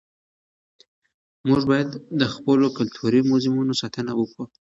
موږ باید د خپلو کلتوري موزیمونو ساتنه وکړو.